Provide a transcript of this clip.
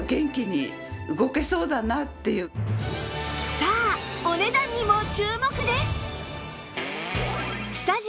さあお値段にも注目です！